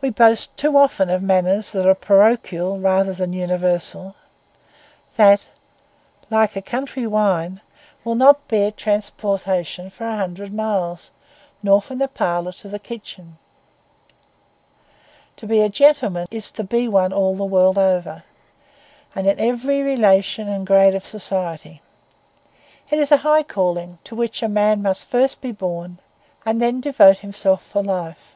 We boast too often manners that are parochial rather than universal; that, like a country wine, will not bear transportation for a hundred miles, nor from the parlour to the kitchen. To be a gentleman is to be one all the world over, and in every relation and grade of society. It is a high calling, to which a man must first be born, and then devote himself for life.